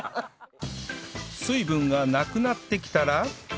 水分がなくなってきたら